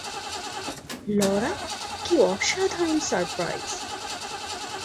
Laura, কি অসাধারণ surprise!